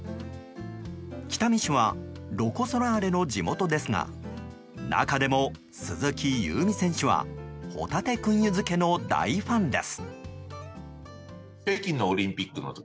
北見市はロコ・ソラーレの地元ですが中でも鈴木夕湖選手はほたて燻油漬の大ファンです。